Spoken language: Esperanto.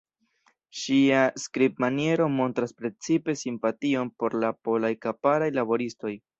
Ŝia skribmaniero montras precipe simpation por la polaj kamparaj laboristoj.